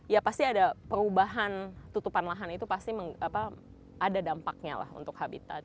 ya pasti ada perubahan tutupan lahan itu pasti ada dampaknya lah untuk habitat